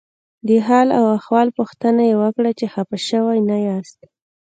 د حال او احوال پوښتنه یې وکړه چې خپه شوي نه یاست.